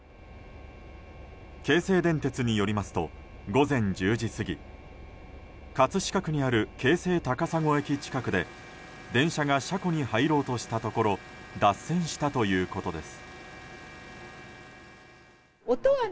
京成電鉄によりますと午前１０時過ぎ葛飾区にある京成高砂駅近くで電車が車庫に入ろうとしたところ脱線したということです。